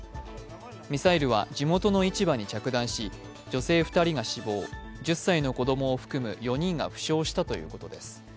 ミサイルは地元の市場に着弾し女性２人が死亡、１０歳の子供を含む４人が負傷したということです。